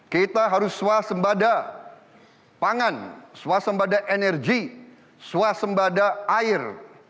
kita harus swasembada pangan swasembada energi swasembada air